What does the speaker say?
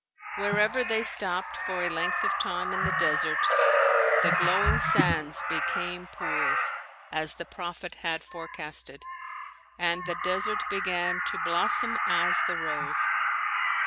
Wherever they stopped for a length of time in the desert, "the glowing sands became pools," as the prophet had forecasted, and the desert began to "blossom as the rose."